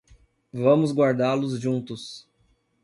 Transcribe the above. Vamos guardá-los juntos.